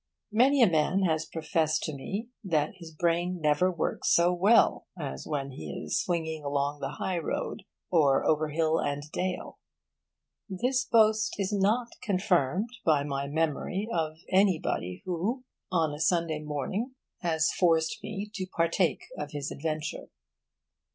Many a man has professed to me that his brain never works so well as when he is swinging along the high road or over hill and dale. This boast is not confirmed by my memory of anybody who on a Sunday morning has forced me to partake of his adventure.